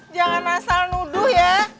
jangan asal nuduh ya